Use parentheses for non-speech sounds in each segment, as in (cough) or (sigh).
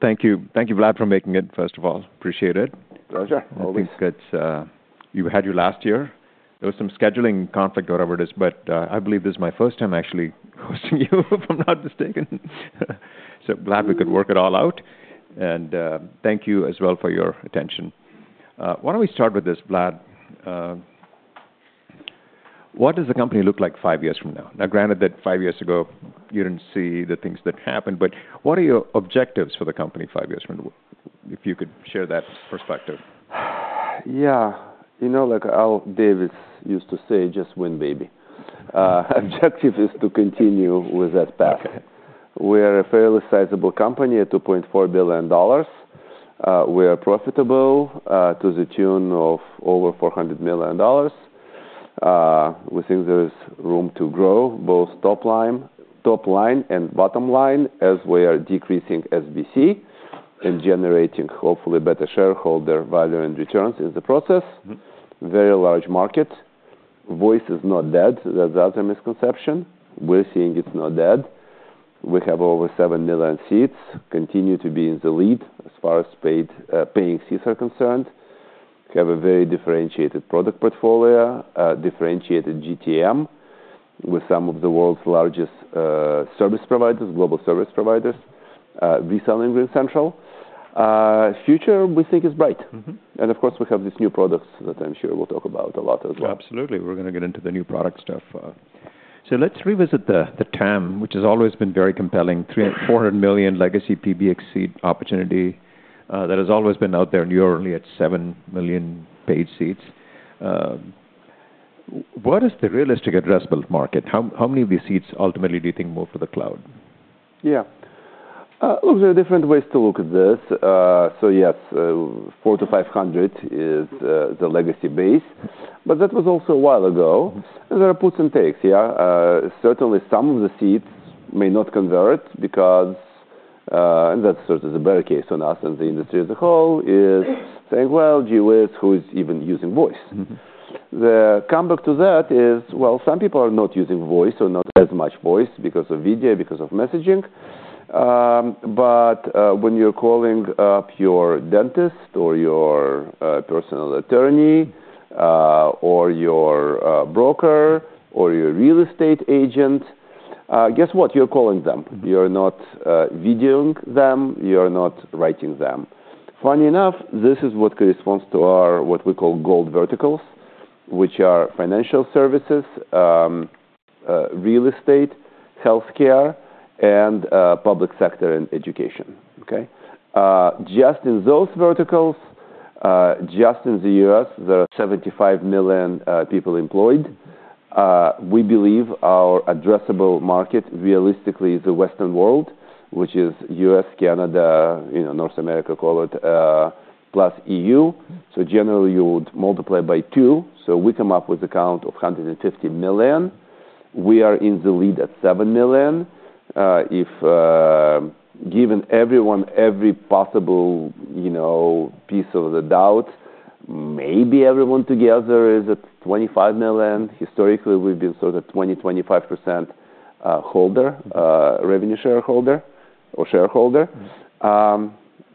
Thank you. Thank you, Vlad, for making it, first of all. Appreciate it. Pleasure, always. I think that you had last year. There was some scheduling conflict or whatever it is, but I believe this is my first time actually hosting you, if I'm not mistaken. So glad we could work it all out, and thank you as well for your attention. Why don't we start with this, Vlad. What does the company look like five years from now? Now, granted that five years ago, you didn't see the things that happened, but what are your objectives for the company five years from now? If you could share that perspective. Yeah. You know, like Al Davis used to say, "Just win, baby." Objective is to continue with that path. We are a fairly sizable company at $2.4 billion. We are profitable, to the tune of over $400 million. We think there is room to grow, both top line, top line and bottom line, as we are decreasing SBC and generating, hopefully, better shareholder value and returns in the process. Very large market. Voice is not dead. That's another misconception. We're seeing it's not dead. We have over seven million seats, continue to be in the lead as far as paid, paying seats are concerned. We have a very differentiated product portfolio, a differentiated GTM, with some of the world's largest, service providers, global service providers, reselling with RingCentral. Future, we think, is bright. Of course, we have these new products that I'm sure we'll talk about a lot as well. Absolutely. We're going to get into the new product stuff. So let's revisit the term, which has always been very compelling, 400 million legacy PBX seat opportunity, that has always been out there, and you're only at seven million paid seats. What is the realistic addressable market? How many of these seats ultimately do you think move to the cloud? Yeah. Look, there are different ways to look at this. So yes, 400-500 is the legacy base, but that was also a while ago. There are puts and takes here. Certainly, some of the seats may not convert because, and that's sort of the better case on us and the industry as a whole, is saying, "Well, gee, whiz, who is even using voice? The comeback to that is, well, some people are not using voice or not as much voice because of video, because of messaging, but when you're calling up your dentist or your personal attorney, or your broker or your real estate agent, guess what? You're calling them. You're not videoing them, you're not writing them. Funny enough, this is what corresponds to our, what we call gold verticals, which are financial services, real estate, healthcare, and public sector and education. Okay? Just in those verticals, just in the U.S., there are 75 million people employed. We believe our addressable market, realistically, is the Western world, which is U.S., Canada, you know, North America, call it, plus E.U.. Generally, you would multiply by two, so we come up with a count of 150 million. We are in the lead at 7 million. If given everyone every possible, you know, piece of the doubt, maybe everyone together is at 25 million. Historically, we've been sort of 20%-25% holder, revenue shareholder or shareholder.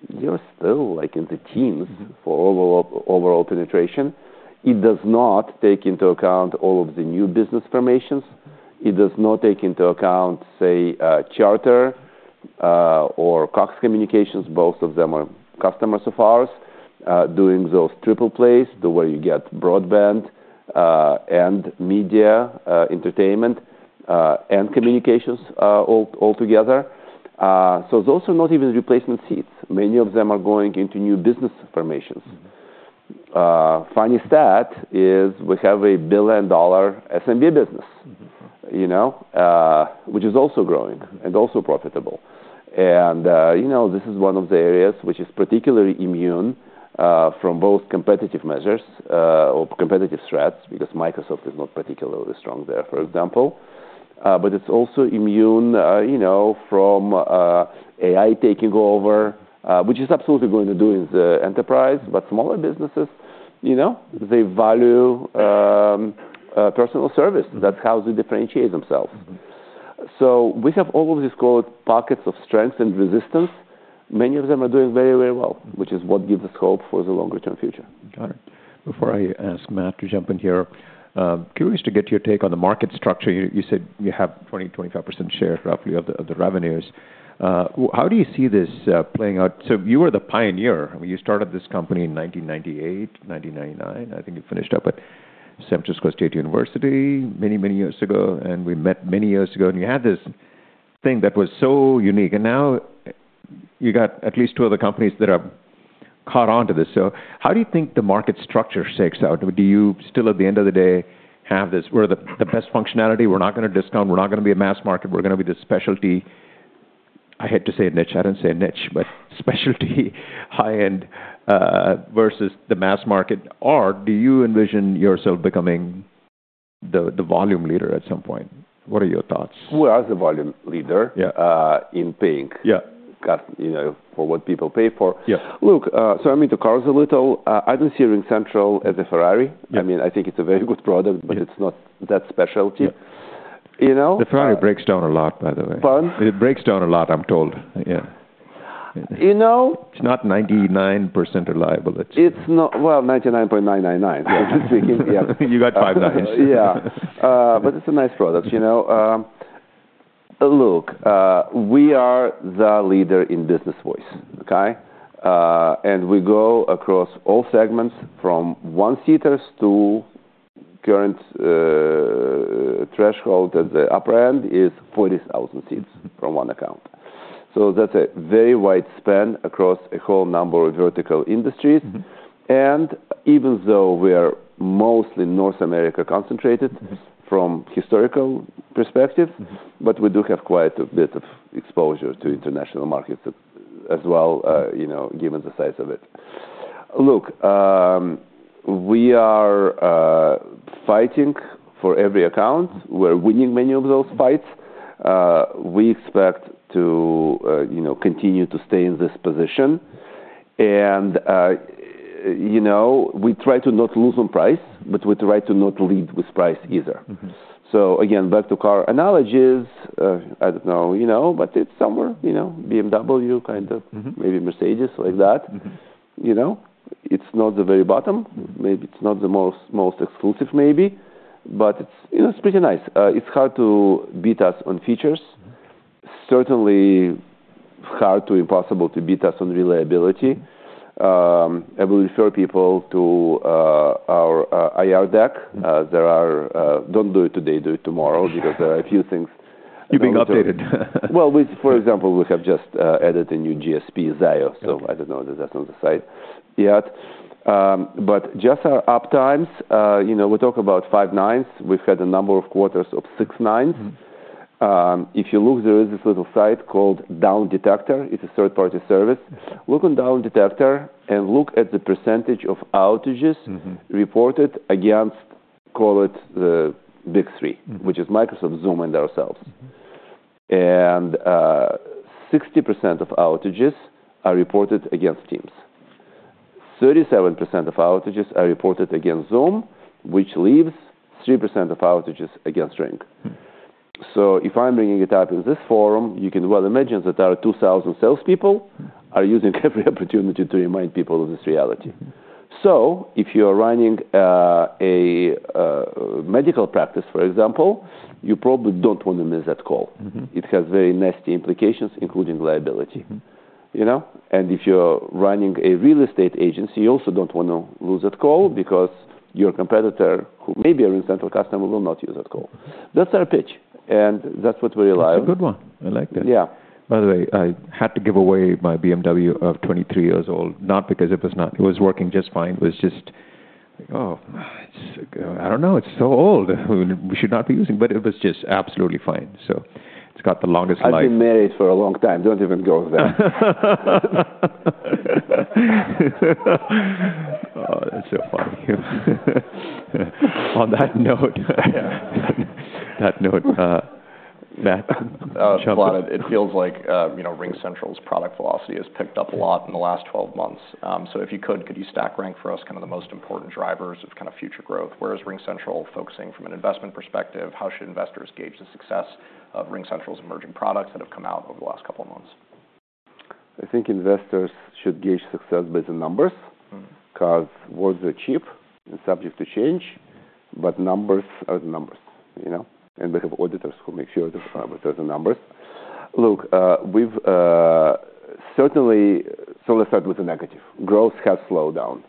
You're still, like, in the teens. For overall penetration. It does not take into account all of the new business formations. It does not take into account, say, Charter, or Cox Communications. Both of them are customers of ours, doing those triple plays, the way you get broadband, and media, entertainment, and communications, all together. So those are not even replacement seats. Many of them are going into new business formations. Funny stat is we have a billion-dollar SMB business- You know, which is also growing and also profitable. And, you know, this is one of the areas which is particularly immune from both competitive measures or competitive threats, because Microsoft is not particularly strong there, for example. But it's also immune, you know, from AI taking over, which is absolutely going to do in the enterprise, but smaller businesses, you know, they value personal service. That's how they differentiate themselves. So we have all of these, called pockets of strength and resistance. Many of them are doing very, very well, which is what gives us hope for the longer-term future. Got it. Before I ask Matt to jump in here, curious to get your take on the market structure. You said you have 20%-25% share roughly of the revenues. How do you see this playing out? So you were the pioneer when you started this company in 1998, 1999. I think you finished up at San Francisco State University many, many years ago, and we met many years ago, and you had this thing that was so unique, and now you got at least two other companies that have caught on to this. So how do you think the market structure shakes out? Do you still, at the end of the day, have this: "We're the, the best functionality, we're not going to discount, we're not going to be a mass market, we're going to be this specialty..." I hate to say niche. I didn't say niche, but specialty, high-end, versus the mass market? Or do you envision yourself becoming the, the volume leader at some point? What are your thoughts? We are the volume leader in paying. You know, for what people pay for. Look, so I mean, to carve a little, I don't see RingCentral as a Ferrari. I mean, I think it's a very good product but it's not that specialty. The Ferrari breaks down a lot, by the way. Pardon? It breaks down a lot, I'm told. Yeah. You know- It's not 99% reliable. It's not... well, 99.999%. Technically, yeah. You got five nines. Yeah. But it's a nice product, you know. Look, we are the leader in business voice, okay? And we go across all segments, from one seaters to current threshold at the upper end is 40,000 seats from one account. So that's a very wide span across a whole number of vertical industries. And even though we are mostly North America concentrated. From historical perspective, but we do have quite a bit of exposure to international markets as well, you know, given the size of it. Look, we are fighting for every account. We're winning many of those fights. We expect to, you know, continue to stay in this position. And, you know, we try to not lose on price, but we try to not lead with price either. So again, back to car analogies, I don't know, you know, but it's somewhere, you know, BMW, kind of, maybe Mercedes, like that. You know, it's not the very bottom. Maybe it's not the most exclusive, maybe, but it's, you know, it's pretty nice. It's hard to beat us on features. Certainly, impossible to beat us on reliability. I will refer people to our IR deck. Don't do it today, do it tomorrow, because there are a few things. Being updated. For example, we have just added a new GSP, Zayo. So I don't know if that's on the site yet. But just our uptime, you know, we talk about five nines. We've had a number of quarters of six nines. If you look, there is this little site called Downdetector. It's a third-party service. Look on Downdetector, and look at the percentage of outages reported against, call it the big three, which is Microsoft, Zoom, and ourselves. 60% of outages are reported against Teams. 37% of outages are reported against Zoom, which leaves 3% of outages against Ring. So if I'm bringing it up in this forum, you can well imagine that our 2,000 salespeople are using every opportunity to remind people of this reality. So if you are running a medical practice, for example, you probably don't want to miss that call. It has very nasty implications, including liability. You know? And if you're running a real estate agency, you also don't want to lose that call because your competitor, who may be a RingCentral customer, will not lose that call. That's our pitch, and that's what we rely on. It's a good one. I like that. Yeah. By the way, I had to give away my BMW of twenty-three years old, not because it was working just fine. It was just, I don't know, it's so old. We should not be using. But it was just absolutely fine. So it's got the longest life. I've been married for a long time. Don't even go there. Oh, that's so funny. On that note, Matt, jump in. It feels like, you know, RingCentral's product philosophy has picked up a lot in the last twelve months. So if you could stack rank for us kind of the most important drivers of kind of future growth? Where is RingCentral focusing from an investment perspective? How should investors gauge the success of RingCentral's emerging products that have come out over the last couple of months? I think investors should gauge success by the numbers. Because words are cheap and subject to change, but numbers are the numbers, you know. And we have auditors who make sure that those are numbers. Look, we've certainly. So let's start with the negative. Growth has slowed down.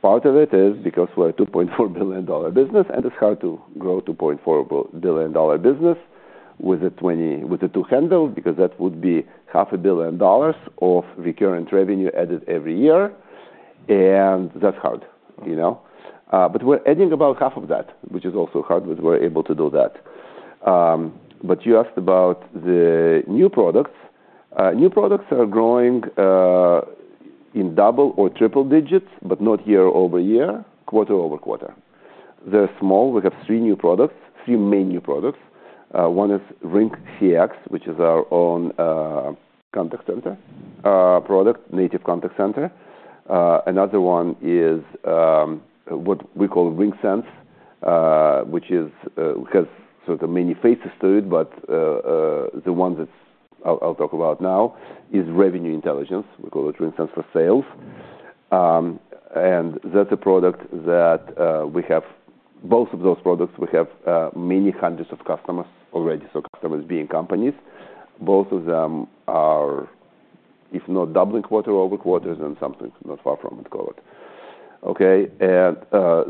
Part of it is because we're a $2.4 billion business, and it's hard to grow a $2.4 billion business with a twenty- with a two handle, because that would be $500 million of recurring revenue added every year, and that's hard, you know? But we're adding about half of that, which is also hard, but we're able to do that. But you asked about the new products. New products are growing in double or triple digits, but not year over year, quarter over quarter. They're small. We have three new products, three main new products. One is RingCX, which is our own, contact center, product, native contact center. Another one is, what we call RingSense, which is, has sort of many faces to it, but, the one that's I'll talk about now is revenue intelligence. We call it RingSense for Sales. And that's a product that, both of those products, we have, many hundreds of customers already, so customers being companies. Both of them are, if not doubling quarter over quarter, then something not far from it, call it. Okay, and,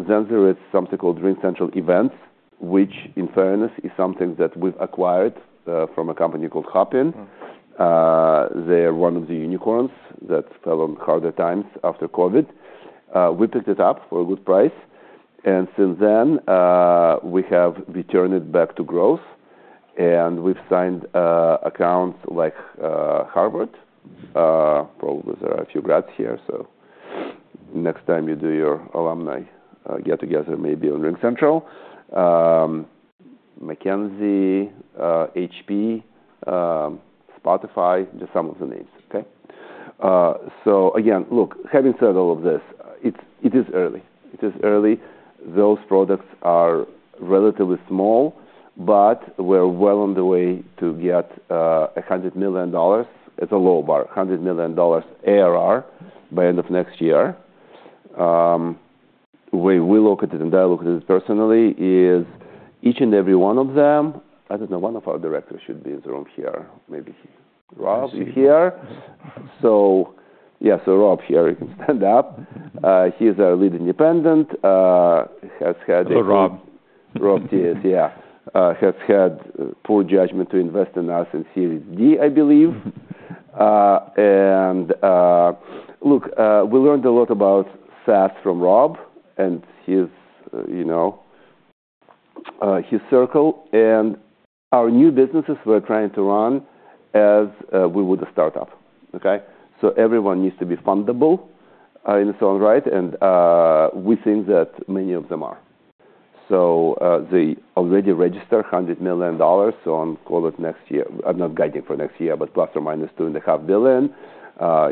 then there is something called RingCentral Events, which, in fairness, is something that we've acquired, from a company called Hopin. They're one of the unicorns that fell on harder times after COVID. We picked it up for a good price, and since then, we have returned it back to growth, and we've signed accounts like Harvard. Probably there are a few grads here, so next time you do your alumni get-together, maybe on RingCentral. McKinsey, HP, Spotify, just some of the names, okay? So again, look, having said all of this, it is early. It is early. Those products are relatively small, but we're well on the way to get $100 million. It's a low bar, $100 million ARR by end of next year. Way we look at it, and I look at it personally, is each and every one of them. I don't know, one of our directors should be in the room here. Maybe Rob here. So yeah, so Rob here, you can stand up. He's our lead independent. Hello, Rob. Rob, yes, yeah, has had poor judgment to invest in us in Series D, I believe. And, look, we learned a lot about SaaS from Rob and his, you know, his circle, and our new businesses we're trying to run as we would a startup, okay? So everyone needs to be fundable, in its own right, and, we think that many of them are. So, they already register $100 million, so, call it next year. I'm not guiding for next year, but plus or minus $2.5 billion,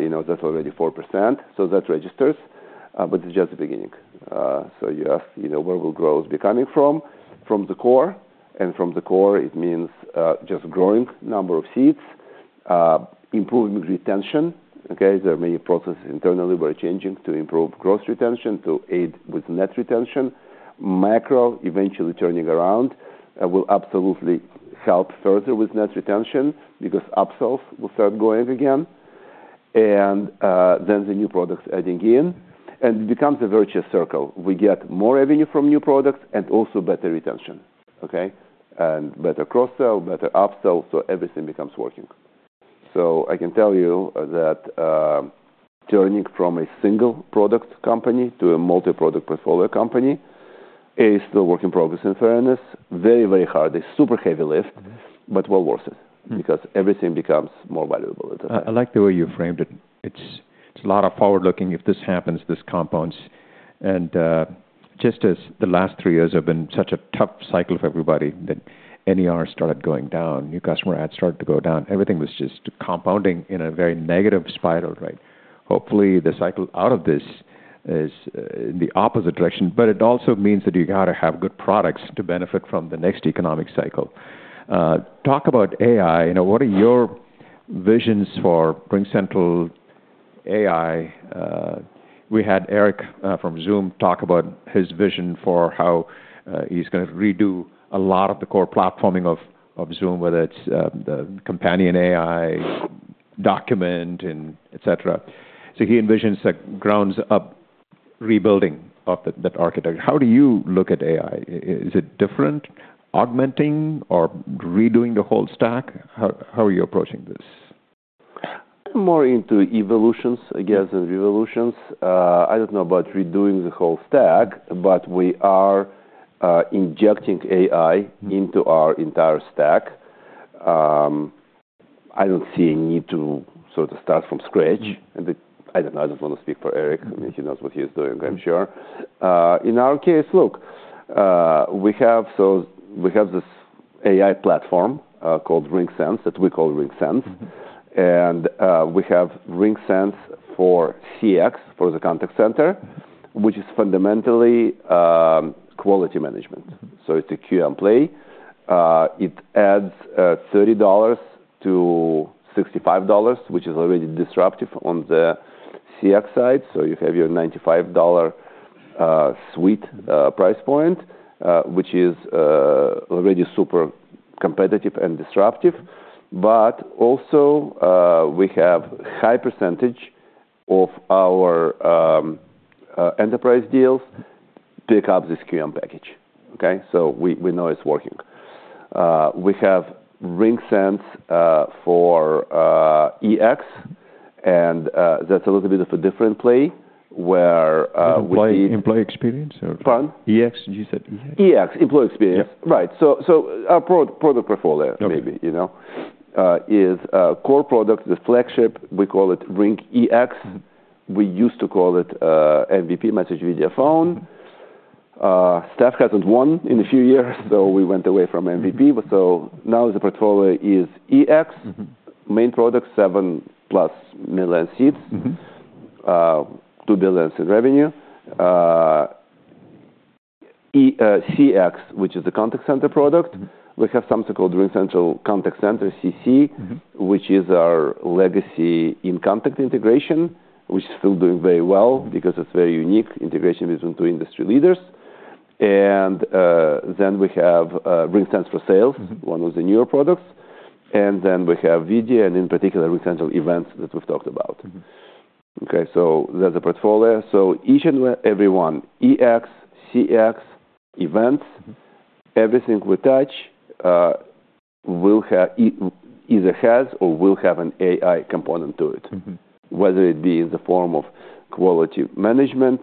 you know, that's already 4%, so that registers, but it's just the beginning. So you ask, you know, where will growth be coming from? From the core, and from the core, it means, just growing number of seats, improving retention, okay? There are many processes internally we're changing to improve gross retention, to aid with net retention. Macro, eventually turning around, will absolutely help further with net retention because upsells will start going again, and then the new products adding in, and it becomes a virtuous circle. We get more revenue from new products and also better retention, okay, and better cross-sell, better upsell, so everything becomes working, so I can tell you that turning from a single product company to a multi-product portfolio company is still work in progress, in fairness. Very, very hard, a super heavy lift, but well worth it because everything becomes more valuable. I like the way you framed it. It's a lot of forward-looking, if this happens, this compounds, and just as the last three years have been such a tough cycle for everybody, that NER started going down, new customer adds started to go down. Everything was just compounding in a very negative spiral, right? Hopefully, the cycle out of this is in the opposite direction, but it also means that you got to have good products to benefit from the next economic cycle. Talk about AI. You know, what are your visions for RingCentral AI? We had Eric from Zoom talk about his vision for how he's gonna redo a lot of the core platforming of Zoom, whether it's the companion AI, document and etc.. So he envisions a ground-up rebuilding of that architecture. How do you look at AI? Is it different, augmenting or redoing the whole stack? How are you approaching this? More into evolutions, I guess, than revolutions. I don't know about redoing the whole stack, but we are, injecting AI into our entire stack. I don't see a need to sort of start from scratch. And I don't know, I don't want to speak for Eric. I mean, he knows what he is doing, I'm sure. In our case, look, we have this AI platform, called RingSense, that we call RingSense. We have RingSense for CX, for the contact center, which is fundamentally quality management. So it's a QM play. It adds $30-$65, which is already disruptive on the CX side. So you have your $95 suite price point, which is already super competitive and disruptive. But also, we have high percentage of our enterprise deals pick up this QM package, okay? So we know it's working. We have RingSense for EX, and that's a little bit of a different play, where Employee experience or? Pardon? EX. You said EX. RingEX, employee experience. Yeah. Right. So, our product portfolio, maybe, you know, is a core product, the flagship, we call it RingEX. We used to call it, MVP, message, video, phone. Staff hasn't won in a few years, so we went away from MVP. But so now the portfolio is EX. Main product, 7+ million seats. $2 billion in revenue. CX, which is the contact center product. We have something called RingCentral Contact Center, CC, which is our legacy inContact integration, which is still doing very well because it's very unique, integration between two industry leaders. And then we have RingSense for Sales, one of the newer products. And then we have video, and in particular, RingCentral Events that we've talked about. Okay, so that's the portfolio. So each and every one, EX, CX, events, everything we touch, either has or will have an AI component to it. Whether it be in the form of quality management,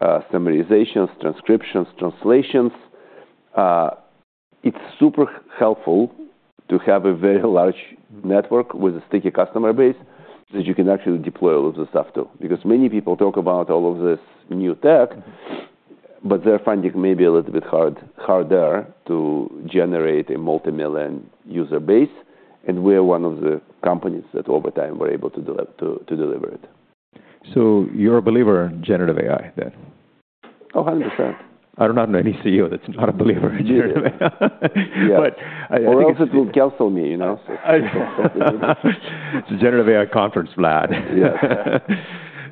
summarizations, transcriptions, translations. It's super helpful to have a very large network with a sticky customer base that you can actually deploy all of this stuff to. Because many people talk about all of this new technology, but they're finding it may be a little bit hard, harder to generate a multimillion user base, and we are one of the companies that over time were able to deliver it. So you're a believer in Generative AI, then? Oh, 100%. I don't know any CEO that's not a believer in generative AI. Or else it will cancel me, you know, so. It's a generative AI conference, Vlad. Yes.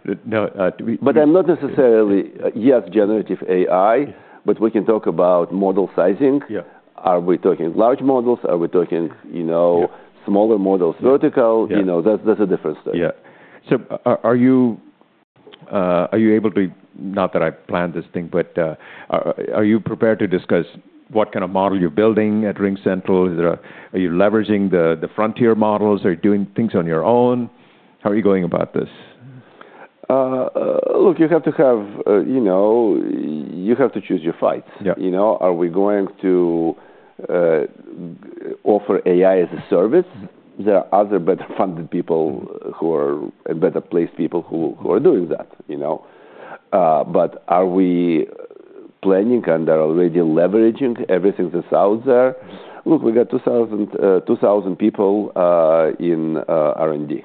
But I'm not necessarily. Yes, generative AI, but we can talk about model sizing. Are we talking large models? Are we talking, you know, smaller models, vertical? You know, that, that's a different story. Yeah. So are you able to, not that I planned this thing, but, are you prepared to discuss what kind of model you're building at RingCentral? Are you leveraging the frontier models? Are you doing things on your own? How are you going about this? Look, you have to have, you know, you have to choose your fights. You know, are we going to offer AI as a service? There are other better funded people who are, and better placed people who are doing that, you know? But are we planning and are already leveraging everything that's out there? Look, we got 2,000 people in R&D,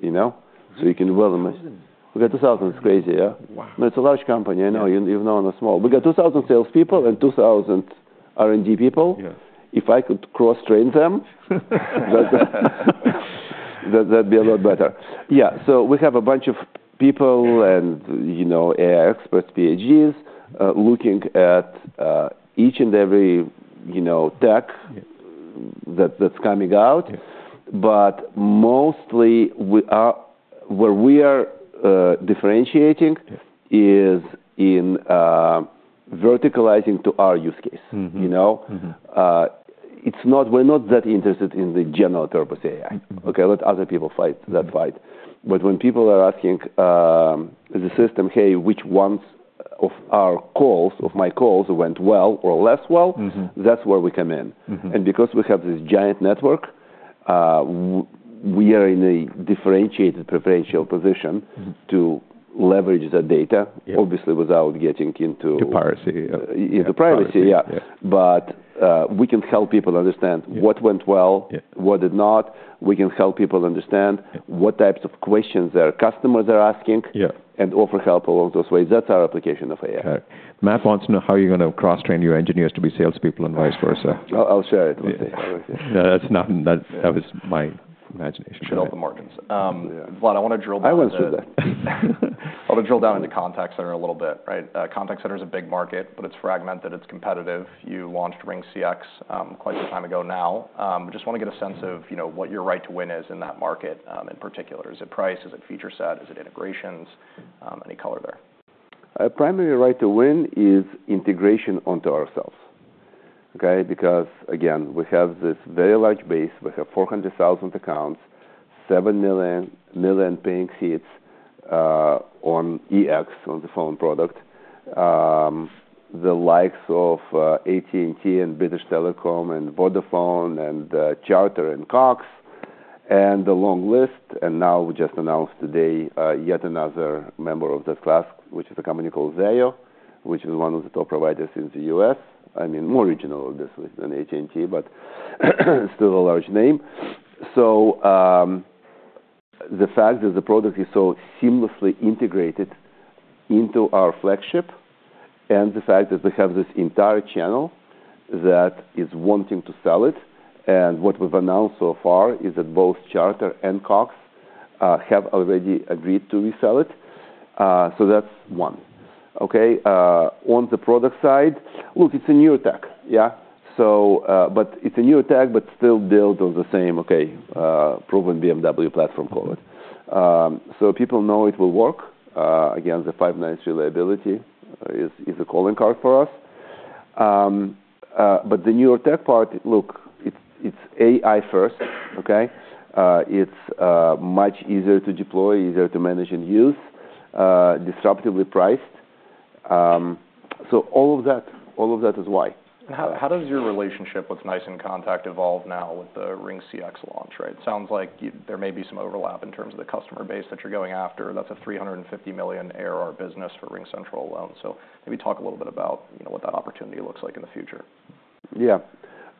you know, so you can well. Two thousand? We got 2,000. It's crazy, yeah. Wow! It's a large company. I know, you've known us small. We got 2,000 salespeople and 2,000 R&D people. If I could cross-train them, that'd, that'd be a lot better. Yeah, so we have a bunch of people and, you know, AI experts, PhDs, looking at each and every, you know, tech that, that's coming out. But mostly, we are where we are, differentiating is in, verticalizing to our use case. We're not that interested in the general purpose AI. Okay, let other people fight that fight. But when people are asking, the system, "Hey, which ones of our calls, of my calls, went well or less well? That's where we come in. Because we have this giant network, we are in a differentiated, preferential position to leverage that data obviously, without getting into. To privacy, yeah. Into privacy, yeah. But, we can help people understand what went well what did not. We can help people understand what types of questions their customers are asking and offer help along those ways. That's our application of AI. Matt wants to know how you're going to cross-train your engineers to be salespeople and vice versa. I'll share it one day. Yeah. No, that's not, that, that was my imagination. Shut out the markets. Vlad, I want to drill down- I was with it. I want to drill down into contact center a little bit, right? Contact center is a big market, but it's fragmented, it's competitive. You launched RingCX, quite some time ago now. Just want to get a sense of, you know, what your right to win is in that market, in particular. Is it price? Is it feature set? Is it integrations? Any color there? Primary right to win is integration onto ourselves. Okay? Because, again, we have this very large base. We have four hundred thousand accounts, seven million paying seats, on EX, on the phone product. The likes of AT&T, British Telecom, Vodafone, Charter, and Cox, and a long list. And now we just announced today, yet another member of that class, which is a company called Zayo, which is one of the top providers in the US. I mean, more regional, obviously, than AT&T, but still a large name. So, the fact that the product is so seamlessly integrated into our flagship, and the fact that we have this entire channel that is wanting to sell it, and what we've announced so far is that both Charter and Cox have already agreed to resell it. So that's one. Okay, on the product side, look, it's a new tech. Yeah, so, but it's a new tech, but still built on the same, okay, proven BMW platform for it. So people know it will work. Again, the five nines reliability is a calling card for us. But the newer tech part, look, it's AI first, okay? It's much easier to deploy, easier to manage and use, disruptively priced. So all of that, all of that is why. How does your relationship with NICE inContact evolve now with the RingCX launch, right? It sounds like there may be some overlap in terms of the customer base that you're going after. That's a 350 million ARR business for RingCentral alone. So maybe talk a little bit about, you know, what that opportunity looks like in the future. Yeah.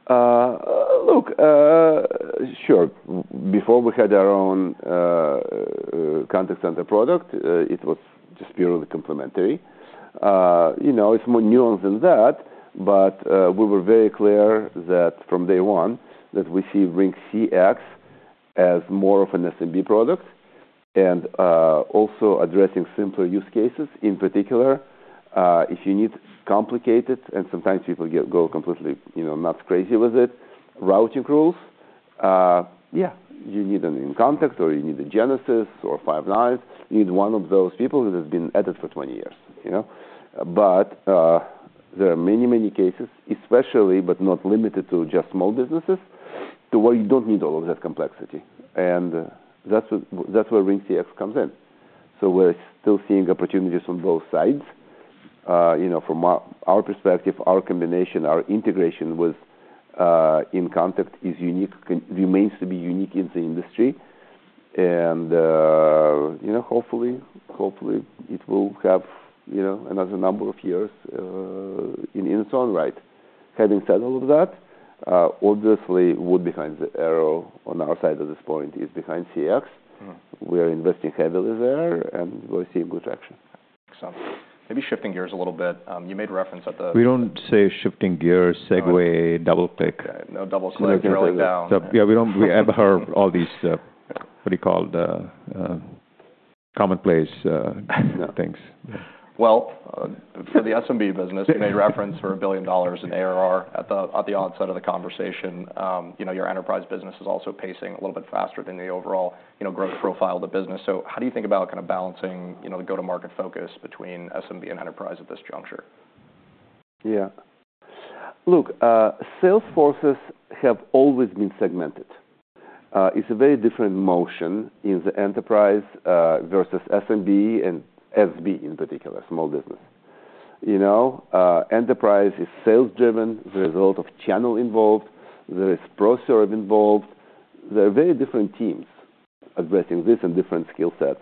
Look, sure, before we had our own contact center product, it was just purely complementary. You know, it's more nuanced than that, but we were very clear that from day one, that we see RingCX as more of an SMB product, and also addressing simpler use cases. In particular, if you need complicated, and sometimes people get, go completely, you know, nuts, crazy with it, routing rules, yeah, you need NICE inContact, or you need the Genesys or Five9. You need one of those people that have been at it for twenty years, you know? But there are many, many cases, especially, but not limited to just small businesses, to where you don't need all of that complexity, and that's where RingCX comes in. So we're still seeing opportunities on both sides. You know, from our, our perspective, our combination, our integration with inContact is unique, remains to be unique in the industry and, you know, hopefully it will have, you know, another number of years, in its own right. Having said all of that, obviously, wood behind the arrow on our side of this point is behind CX. We are investing heavily there, and we see good action. So maybe shifting gears a little bit, you made reference at the, We don't say shifting gears, segue, double click. No double click, drill it down. Yeah, we don't- we ever heard all these, what do you call the, commonplace, things. Well, for the SMB business, you made reference for $1 billion in ARR at the onset of the conversation. You know, your enterprise business is also pacing a little bit faster than the overall, you know, growth profile of the business. So how do you think about kind of balancing, you know, the go-to-market focus between SMB and enterprise at this juncture? Yeah. Look, sales forces have always been segmented. It's a very different motion in the enterprise versus SMB and SB, in particular, small business. You know, enterprise is sales driven, there's a lot of channel involved, there is Pro Serv involved. They're very different teams addressing this and different skill sets.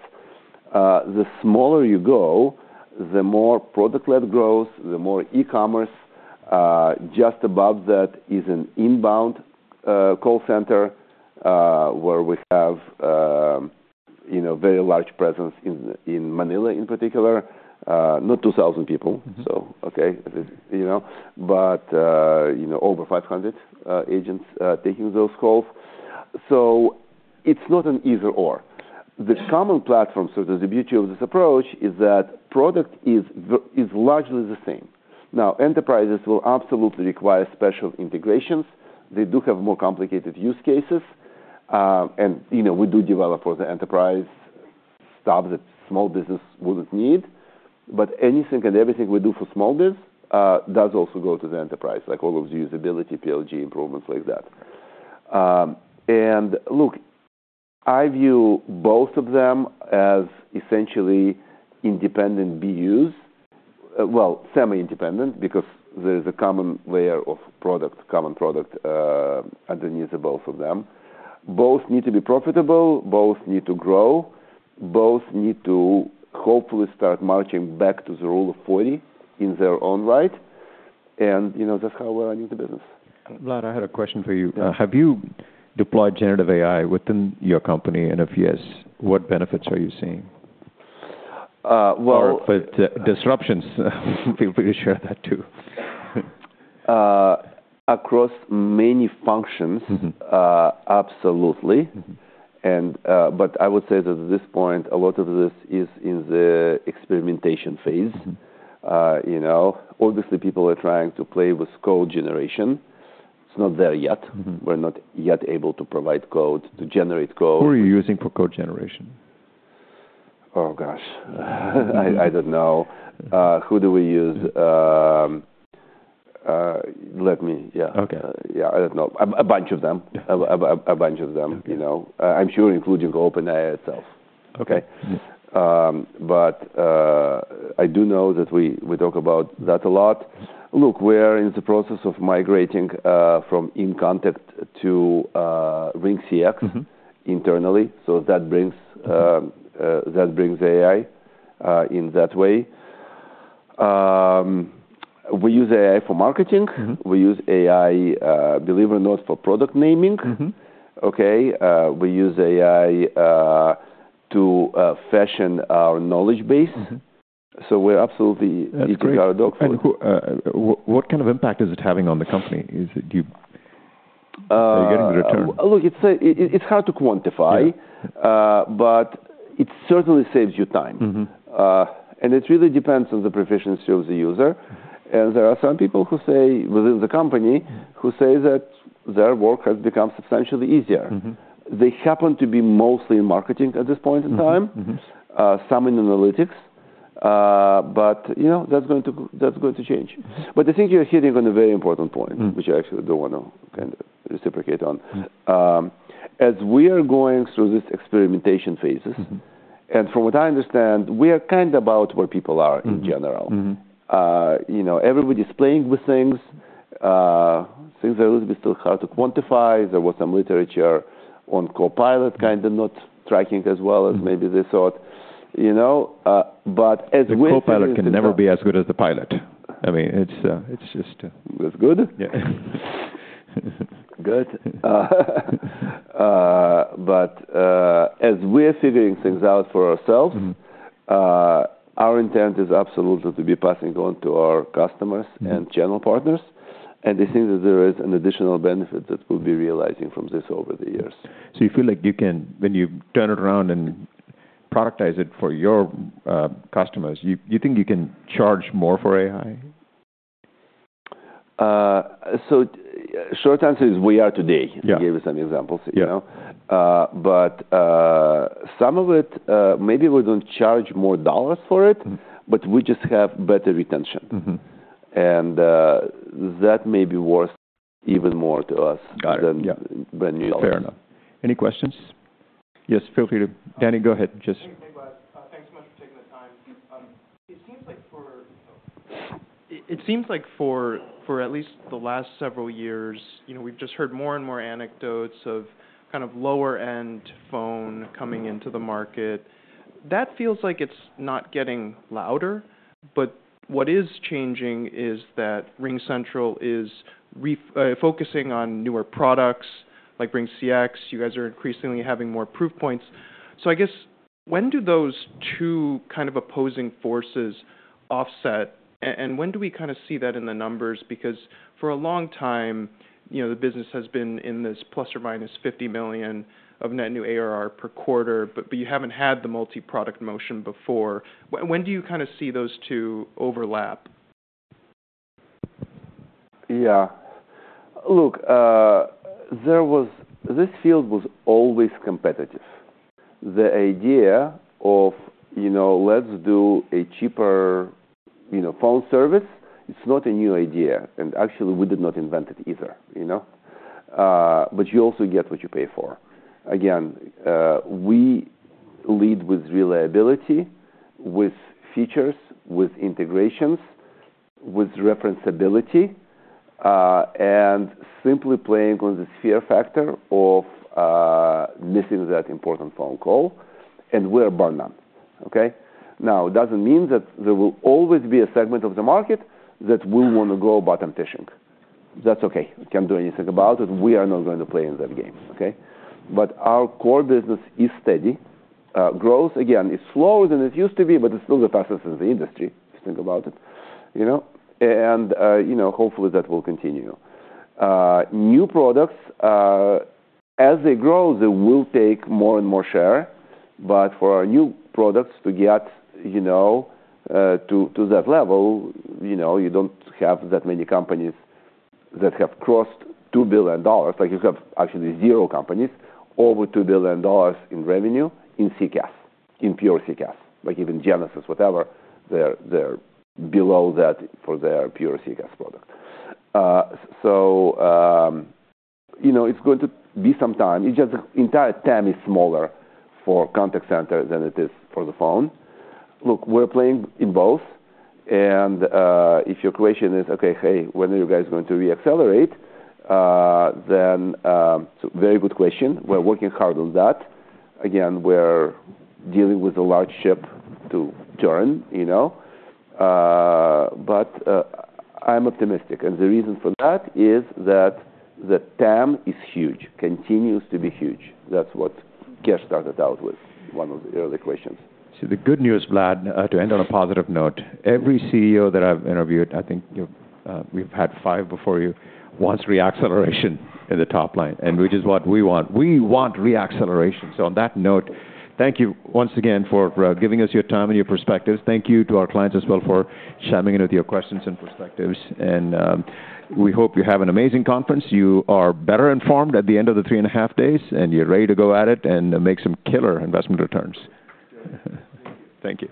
The smaller you go, the more product-led growth, the more e-commerce. Just above that is an inbound call center where we have, you know, very large presence in Manila in particular. Not 2,000 people. So, okay, you know. You know, over 500 agents taking those calls. It's not an either/or. The common platform, so the beauty of this approach, is that product is largely the same. Now, enterprises will absolutely require special integrations. They do have more complicated use cases. And, you know, we do develop for the enterprise stuff that small business wouldn't need, but anything and everything we do for small biz does also go to the enterprise, like all of the usability, PLG improvements like that. And look, I view both of them as essentially independent BUs. Well, semi-independent, because there's a common layer of product, common product underneath both of them. Both need to be profitable, both need to grow, both need to hopefully start marching back to the Rule of 40 in their own right, and, you know, that's how we're running the business. Vlad, I had a question for you. Yeah. Have you deployed generative AI within your company? And if yes, what benefits are you seeing? (crosstalk) but disruptions, feel free to share that, too. Across many functions, absolutely. And, but I would say that at this point, a lot of this is in the experimentation phase. You know, obviously, people are trying to play with code generation. It's not there yet. We're not yet able to provide code, to generate code. Who are you using for code generation? Oh, gosh. I, I don't know. Who do we use? Let me. Yeah. Okay. Yeah, I don't know. A bunch of them. Yeah. You know, I'm sure including OpenAI itself. But, I do know that we talk about that a lot. Look, we're in the process of migrating from inContact to RingCX internally, so that brings AI in that way. We use AI for marketing. We use AI, believe it or not, for product naming. Okay, we use AI to fashion our knowledge base. So we're absolutely. (crosstalk) And who, what kind of impact is it having on the company? Is it, do you. Are you getting a return? Look, it's it, it's hard to quantify. Yeah. But it certainly saves you time. And it really depends on the proficiency of the user, and there are some people who say, within the company who say that their work has become substantially easier. They happen to be mostly in marketing at this point in time some in analytics. But, you know, that's going to change. But I think you're hitting on a very important point which I actually don't wanna kind of reciprocate on. As we are going through this experimentation phases and from what I understand, we are kind about where people are in general. You know, everybody's playing with things. Things are a little bit still hard to quantify. There was some literature on Copilot kind of not tracking as well as maybe they thought. You know, but the Copilot can never be as good as the pilot. I mean, it's, it's just. That's good. Yeah. Good. But as we're figuring things out for ourselves, our intent is absolutely to be passing on to our customers and channel partners, and I think that there is an additional benefit that we'll be realizing from this over the years. So you feel like you can, when you turn it around and productize it for your customers, you, you think you can charge more for AI? So short answer is we are today. Yeah. I gave you some examples, you know? But some of it, maybe we don't charge more dollars for it, but we just have better retention. And that may be worth even more to us. (crosstalk) than dollars. Fair enough. Any questions? Yes, feel free to, Danny, go ahead. It seems like for at least the last several years, you know, we've just heard more and more anecdotes of kind of lower-end phone coming into the market. That feels like it's not getting louder, but what is changing is that RingCentral is focusing on newer products like RingCX. You guys are increasingly having more proof points. So I guess, when do those two kind of opposing forces offset, and when do we kinda see that in the numbers? Because for a long time, you know, the business has been in this plus or minus 50 million of net new ARR per quarter, but you haven't had the multi-product motion before. When do you kinda see those two overlap? Yeah. Look, this field was always competitive. The idea of, you know, let's do a cheaper, you know, phone service, it's not a new idea, and actually, we did not invent it either, you know? But you also get what you pay for. Again, we lead with reliability, with features, with integrations, with referenceability, and simply playing on the fear factor of, missing that important phone call, and we're bar none, okay? Now, it doesn't mean that there will always be a segment of the market that will want to go bottom fishing. That's okay. We can't do anything about it. We are not going to play in that game, okay? But our core business is steady. Growth, again, is slower than it used to be, but it's still the fastest in the industry, if you think about it, you know, and, you know, hopefully that will continue. New products, as they grow, they will take more and more share, but for our new products to get, you know, to, to that level, you know, you don't have that many companies that have crossed $2 billion. Like, you have actually zero companies over $2 billion in revenue in CCaaS, in pure CCaaS. Like, even Genesys, whatever, they're, they're below that for their pure CCaaS product. So, you know, it's going to be some time. It's just the entire TAM is smaller for contact center than it is for the phone. Look, we're playing in both, and, if your question is, "Okay, hey, when are you guys going to reaccelerate?" then, it's a very good question. We're working hard on that. Again, we're dealing with a large ship to turn, you know, but, I'm optimistic, and the reason for that is that the TAM is huge, continues to be huge. That's what Kash started out with, one of the early questions. So the good news, Vlad, to end on a positive note, every CEO that I've interviewed, I think, we've had five before you, wants reacceleration in the top line, and which is what we want. We want reacceleration. So on that note, thank you once again for giving us your time and your perspectives. Thank you to our clients as well for chiming in with your questions and perspectives, and we hope you have an amazing conference. You are better informed at the end of the three and a half days, and you're ready to go at it and make some killer investment returns. Thank you.